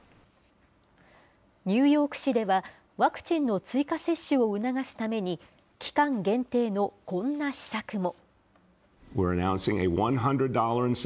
ニューヨーク市では、ワクチンの追加接種を促すために、期間限定のこんな施策も。